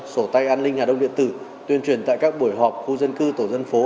sổ tay an ninh nhà đông điện tử tuyên truyền tại các buổi họp khu dân cư tổ dân phố